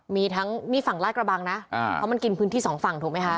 มีทั้งนี่ฝั่งลาดกระบังนะเพราะมันกินพื้นที่สองฝั่งถูกไหมคะ